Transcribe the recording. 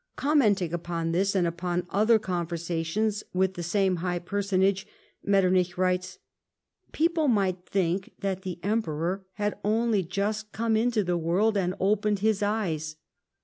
Commenting upon this, and upon other conversations with the same high personage, Metternich wa ites : "People might think that the Emperor had only just come into the world and opened his eyes.